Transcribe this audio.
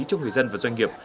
cho người dân và doanh nghiệp